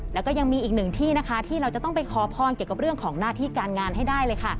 แล้วก็ยังมีอีกหนึ่งที่นะคะที่เราจะต้องไปขอพรเกี่ยวกับเรื่องของหน้าที่การงานให้ได้เลยค่ะ